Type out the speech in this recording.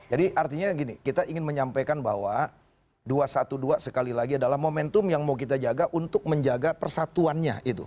jadi artinya gini kita ingin menyampaikan bahwa dua ratus dua belas sekali lagi adalah momentum yang mau kita jaga untuk menjaga persatuannya itu